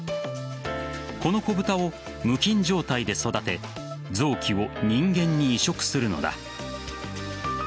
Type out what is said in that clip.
この子ブタを無菌状態で育て臓器を人間に移植するのだ。